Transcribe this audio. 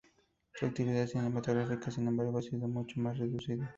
Su actividad cinematográfica, sin embargo, ha sido mucho más reducida.